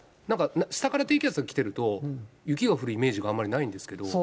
なんか、下から低気圧が来てると、雪が降るイメージがないんですけど。